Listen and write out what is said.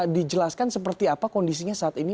dijelaskan seperti apa kondisinya saat ini